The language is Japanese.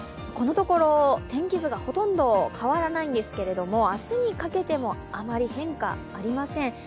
このところ天気図がほとんど変わらないんですけど、明日にかけてもあまり変化はありません。